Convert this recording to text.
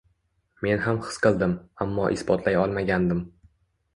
Men ham his qildim, ammo isbotlay olmagandim